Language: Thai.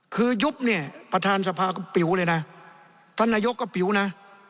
คือยุบเนี่ยประธานสภาก็ปิ๋วเลยนะท่านนายกก็ปิ๋วนะ